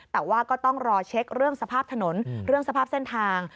แต่ว่าก็ต้องรอเช็คเรื่องสภาพถนนเรื่องสภาพเส้นทาง